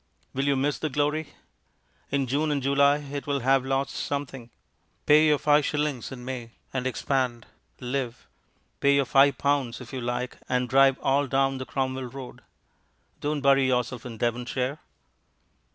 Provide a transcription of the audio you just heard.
Will you miss the glory? In June and July it will have lost something. Pay your five shillings in May and expand, live; pay your five pounds if you like and drive all down the Cromwell Road. Don't bury yourself in Devonshire.